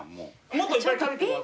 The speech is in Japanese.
もっといっぱい食べてもらって。